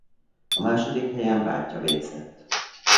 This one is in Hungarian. A második helyen bátyja végzett.